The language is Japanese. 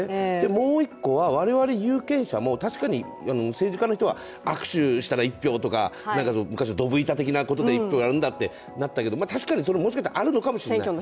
もう一個は、我々有権者も確かに政治家の人が握手したら一票とか昔のどぶ板的なことで一票やるんだとか確かにそれもあるのかもしれない。